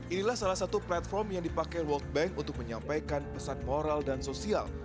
inilah salah satu platform yang dipakai world bank untuk menyampaikan pesan moral dan sosial